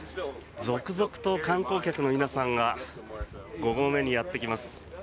続々と観光客の皆さんが五合目にやってきます。